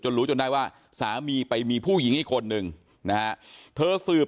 รู้จนได้ว่าสามีไปมีผู้หญิงอีกคนนึงนะฮะเธอสืบ